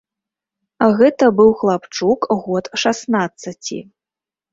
Гэта быў хлапчук год шаснаццаці.